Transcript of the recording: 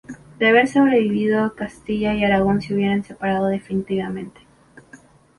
De haber sobrevivido, Castilla y Aragón se hubieran separado definitivamente.